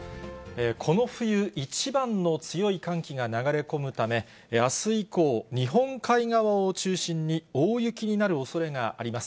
この冬一番の強い寒気が流れ込むため、あす以降、日本海側を中心に、大雪になるおそれがあります。